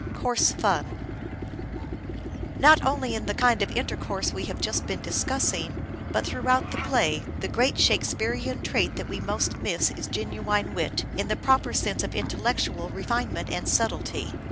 Coarse fun. Not only in the kind of intercourse we have just been discussing, but throughout the play the great Shakespearean trait that we most miss is genuine wit, in the proper sense of intellectual refinement and subtlety.